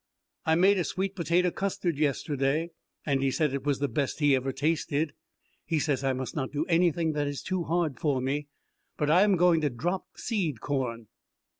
I made a sweet potato custard yesterday, and he said it was the best he ever tasted. He says I must not do anything that is too hard for me, but I am going to drop seed corn.